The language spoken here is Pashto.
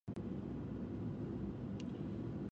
سندرې او موسیقي د اعصابو زېرمو لپاره ګټورې دي.